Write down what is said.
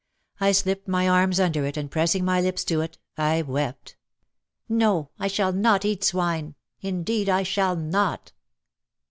I slipped my arms under it and pressing my lips to it I wept. "No, I shall not eat swine, indeed I shall not